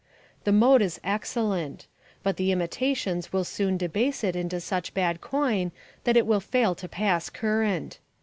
The mode is excellent. But the imitations will soon debase it into such bad coin that it will fail to pass current.